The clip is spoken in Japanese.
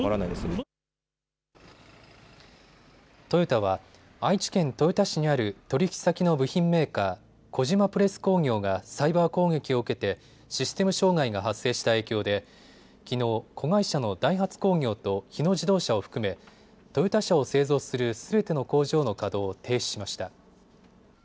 トヨタは愛知県豊田市にある取引先の部品メーカー、小島プレス工業がサイバー攻撃を受けてシステム障害が発生した影響できのう子会社のダイハツ工業と日野自動車を含めトヨタ車を製造するすべての工場の稼働を停止しました。